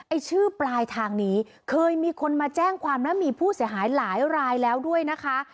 ไอ้ชื่อปลายทางนี้เคยมีคนมาแจ้งความแล้วมีผู้เสียหายหลายรายแล้วด้วยนะคะ